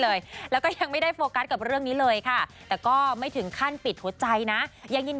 เราก็คิดว่ามันก็อาจจะโตขึ้น